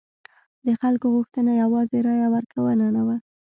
د خلکو غوښتنه یوازې رایه ورکونه نه وه.